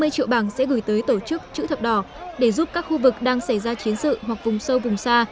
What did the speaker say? năm mươi triệu bảng sẽ gửi tới tổ chức chữ thập đỏ để giúp các khu vực đang xảy ra chiến sự hoặc vùng sâu vùng xa